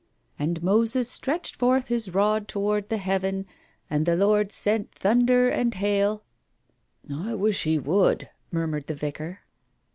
"' And Moses stretched forth his rod towards the heaven, and the Lord sent thunder and hail '" "I wish He would," murmured the Vicar.